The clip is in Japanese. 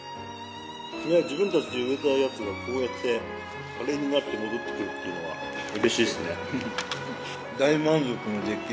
自分たちで植えたやつがこうやってカレーになって戻ってくるっていうのは嬉しいですね。